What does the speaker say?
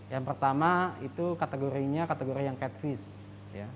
yang pertama itu kategorinya kategori yang catfish